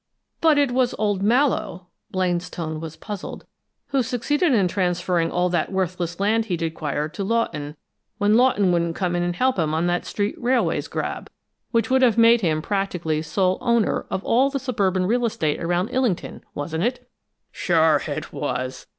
"But it was old Mallowe" Blaine's tone was puzzled "who succeeded in transferring all that worthless land he'd acquired to Lawton, when Lawton wouldn't come in and help him on that Street Railways grab, which would have made him practically sole owner of all the suburban real estate around Illington, wasn't it?" "Sure it was!"